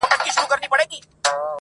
اووه کاله خلکو وکرل کښتونه -